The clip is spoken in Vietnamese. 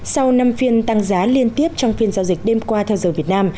sau năm phiên tăng giá liên tiếp trong phiên giao dịch đêm qua theo giờ việt nam